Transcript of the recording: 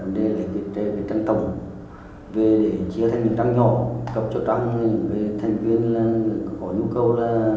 vấn đề lấy quyền chơi với trân tổng về chia thành những tăng nhỏ cấp cho tăng về thành viên có nhu cầu